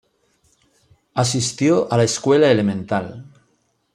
Asistió a la escuela elemental.